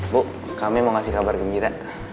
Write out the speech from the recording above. bu kami mau ngasih kabar gembira